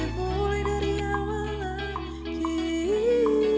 mulai dari awal hatimu